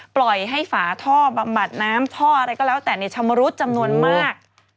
ปล่อยให้ฝาท่อบำบัดน้ำท่ออะไรก็แล้วแต่ในชำรุดจำนวนมาก